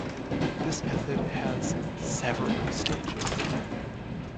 This method has several stages.